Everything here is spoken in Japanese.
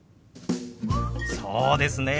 そうですね。